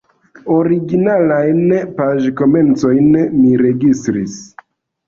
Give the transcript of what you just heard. Originalajn paĝkomencojn mi registris.